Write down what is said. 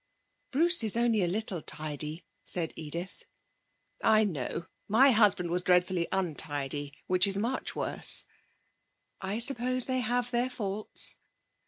'Bruce is only a little tidy,' said Edith. 'I know. My husband was dreadfully untidy, which is much worse.' 'I suppose they have their faults.'